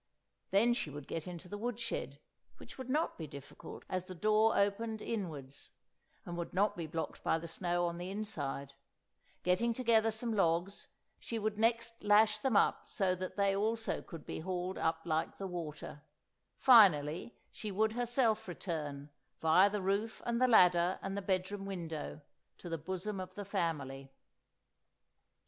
Then she would get into the wood shed—which would not be difficult, as the door opened inwards, and would not be blocked by the snow on the inside; getting together some logs, she would next lash them up so that they also could be hauled up like the water; finally, she would herself return, viâ the roof and the ladder and the bedroom window, to the bosom of the family.